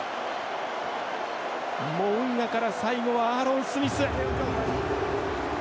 モウンガから最後はアーロン・スミス。